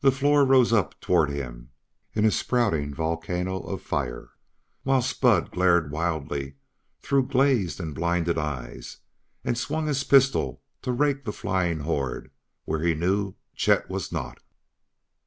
The floor rose up toward him in a spouting volcano of fire, while Spud glared wildly through glazed and blinded eyes and swung his pistol to rake the flying horde where he knew Chet was not.